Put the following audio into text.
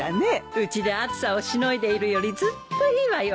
うちで暑さをしのいでいるよりずっといいわよ。